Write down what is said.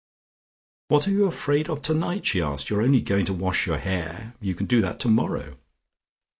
"What are you afraid of tonight?" she asked. "You're only going to wash your hair. You can do that tomorrow.